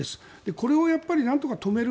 これをやっぱりなんとか止める。